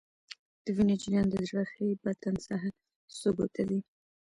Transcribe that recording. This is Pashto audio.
د وینې جریان د زړه ښي بطن څخه سږو ته ځي.